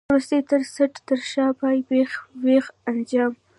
وروستی، تر څټ، تر شا، پای، بېخ، وېخ، انجام.